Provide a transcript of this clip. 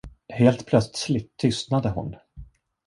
Helt plötsligt tystnade hon.